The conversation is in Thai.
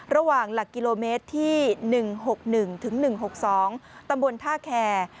ระหว่างหลักกิโลเมตรที่๑๖๑๑๖๒ตำบวนท่าแคร์